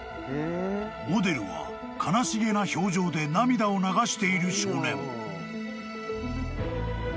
［モデルは悲しげな表情で涙を流している少年］